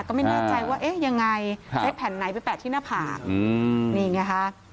ก็ไม่แน่ใจว่าไหนให้แผ่นไหนไปเปล่าน้ำผาก